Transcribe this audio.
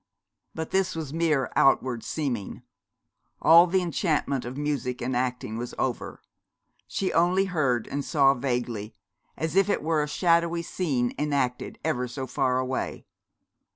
But this was mere outward seeming. All the enchantment of music and acting was over. She only heard and saw vaguely, as if it were a shadowy scene enacted ever so far away.